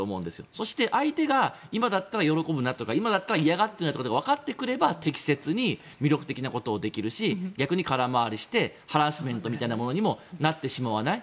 そして相手が今だったら喜ぶなとか今だったら嫌がっているなとかがわかってくれば適切に魅力的なことをできるし逆に空回りしてハラスメントみたいなものになってしまわない。